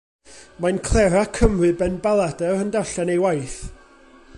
Mae'n clera Cymru benbaladr yn darllen ei waith.